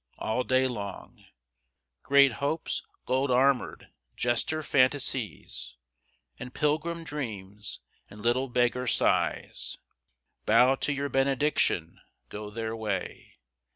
All day long Great Hopes gold armoured, jester Fantasies, And pilgrim Dreams, and little beggar Sighs, Bow to your benediction, go their way.